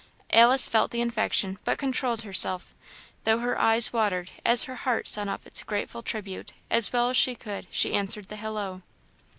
Alice felt the infection, but controlled herself, though her eyes watered as her heart sent up its grateful tribute; as well as she could she answered the halloo.